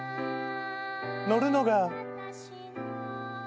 乗るのが。